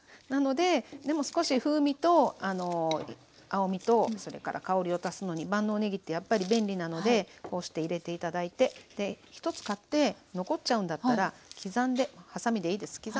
なのででも少し風味と青みとそれから香りを足すのに万能ねぎってやっぱり便利なのでこうして入れて頂いてで１つ買って残っちゃうんだったらはさみでいいです